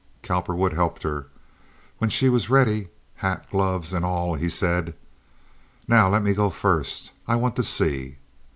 Cowperwood helped her. When she was ready—hat, gloves, and all—he said: "Now let me go first. I want to see."